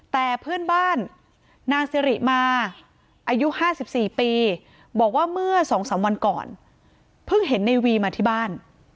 แต่เพื่อนบ้านนางสิริมาอายุ๕๔ปีบอกว่าเมื่อ๒๓วันก่อนเพิ่งเห็นในวีมาที่บ้าน